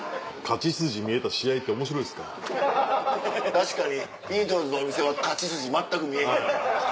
確かにビートルズのお店は勝ち筋全く見えへんやろ。